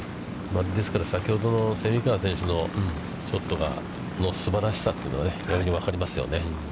ですから、先ほどの蝉川選手のショットのすばらしさというのが分かりますよね。